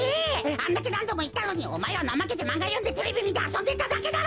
あんだけなんどもいったのにおまえはなまけてまんがよんでテレビみてあそんでただけだろ！